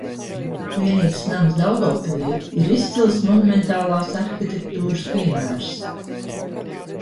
Vienības nams Daugavpilī ir izcils monumentālās arhitektūras piemērs.